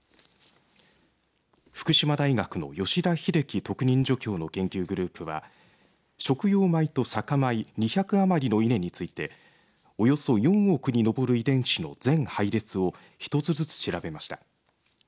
福島大学の吉田英樹特任助教の研究グループは食用米と酒米２００余りの稲についておよそ４億に上る遺伝子の全配列を１つずつ調べました。